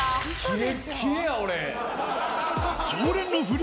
キレッキレや俺。